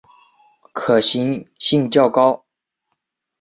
可行性较高